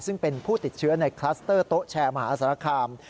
ซึ่งเป็นผู้ติดเชื้อในคลัสเตอร์โต๊ะแชร์มหาสารคาม